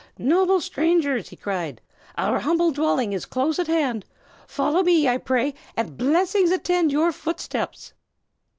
"Noble strangers!" he cried, "our humble dwelling is close at hand. Follow me, I pray you, and blessings attend your footsteps."